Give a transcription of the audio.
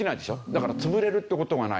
だから潰れるって事がない。